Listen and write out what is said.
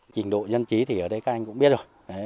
trình độ dân trí thì ở đây các anh cũng biết rồi